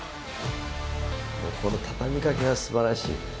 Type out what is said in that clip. この畳みかけがすばらしい。